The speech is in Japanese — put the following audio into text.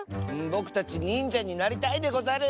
ぼくたちにんじゃになりたいでござる！